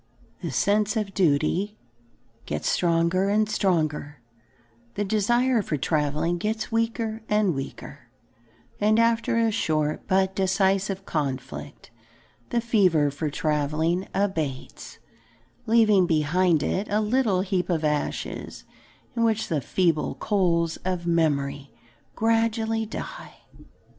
The sense of duty gets stronger and stronger, the desire for travelling gets weaker and weaker, and after a short but decisive conflict, the fever for travelling abates, leaving behind it a little heap of ashes in which the feeble coals of memory gradually die.